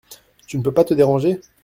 Tu ne peux pas te déranger ?